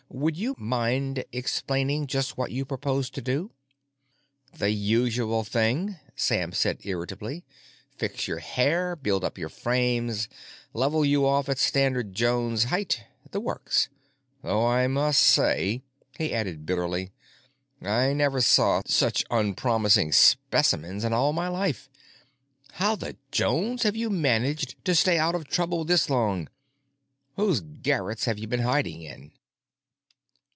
Would you mind explaining just what you propose to do?" "The usual thing," Sam said irritably. "Fix your hair, build up your frames, level you off at standard Jones height. The works. Though I must say," he added bitterly, "I never saw such unpromising specimens in my life. How the Jones have you managed to stay out of trouble this long? Whose garrets have you been hiding in?"